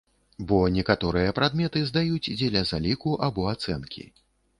Бо некаторыя прадметы здаюць дзеля заліку або ацэнкі.